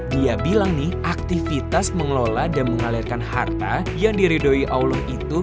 dia bilang nih aktivitas mengelola dan mengalirkan harta yang diridoi allah itu